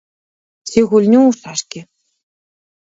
Ці гульню ў шашкі.